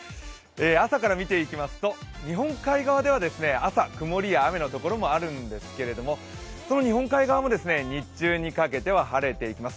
朝から見ていきますと、日本海側では朝、曇りや雨の所もあるんですけれどもその日本海側も日中にかけては晴れていきます。